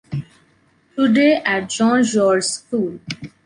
Today at Jean Jaurès school.